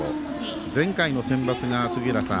前回のセンバツが、杉浦さん